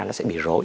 nó sẽ bị rỗi